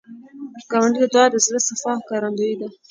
ګاونډي ته دعا، د زړه صفا ښکارندویي ده